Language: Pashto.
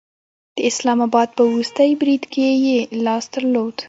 د اسلام آباد په وروستي برید کې یې لاس درلود